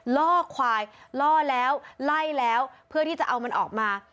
ล่อควายล่อแล้วไล่แล้วเพื่อที่จะเอามันออกมา